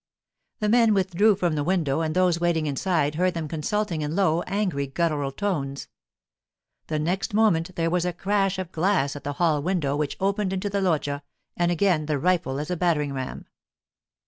The men withdrew from the window and those waiting inside heard them consulting in low, angry guttural tones. The next moment there was a crash of glass at the hall window which opened into the loggia, and again the rifle as a battering ram.